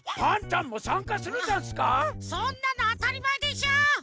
そんなのあたりまえでしょ！